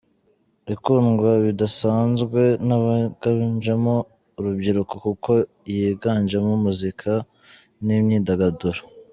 Ikundwa bidasanzwe n’abiganjemo urubyiruko kuko yiganjemo muzika n’imyidagaduro.